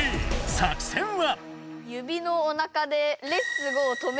作戦は？